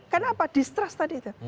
karena apa distrust tadi itu